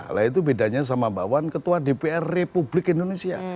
hal itu bedanya sama bawan ketua dpr republik indonesia